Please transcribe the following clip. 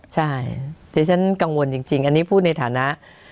ใช่ที่ฉันกังวลจริงอันนี้พูดในฐานะ